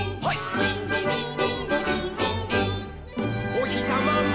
「おひさまも」